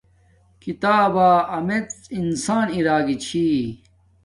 کتابا امیڎ انسان ارا گی چھی